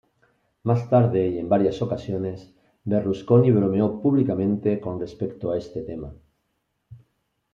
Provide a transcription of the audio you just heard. Más tarde y en varias ocasiones, Berlusconi bromeó públicamente con respecto a este tema.